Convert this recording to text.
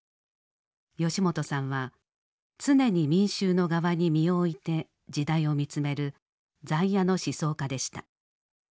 吉本さんは常に民衆の側に身を置いて時代を見つめる在野の思想家でした。